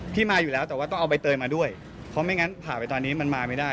มาอยู่แล้วแต่ว่าต้องเอาใบเตยมาด้วยเพราะไม่งั้นผ่าไปตอนนี้มันมาไม่ได้